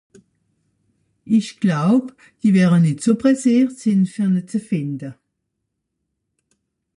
Ìch gläub, die wäre nìtt so presseert sìn, fer ne ze fìnde.